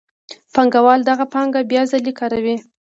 پانګوال دغه پانګه بیا ځلي کاروي